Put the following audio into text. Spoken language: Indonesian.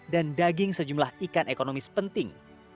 dan daging sejumlah ikan ekonomis penting